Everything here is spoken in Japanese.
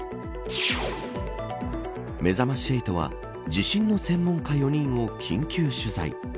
めざまし８は地震の専門家４人を緊急取材。